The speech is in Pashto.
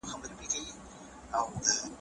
ماشوم کولای سي بریالی سي.